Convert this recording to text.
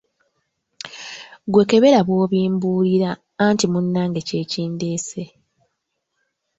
Ggwe kebera bw’obimbuulira anti munnange kye kindeese.